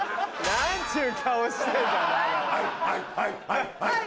はいはい！